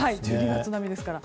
１２月並みですから。